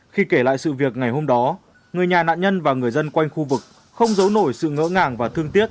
khi kể lại sự việc ngày hôm đó người nhà nạn nhân và người dân quanh khu vực không giấu nổi sự ngỡ ngàng và thương tiếc